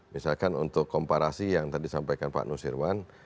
misalkan untuk komparasi yang tadi sampaikan pak nusirwan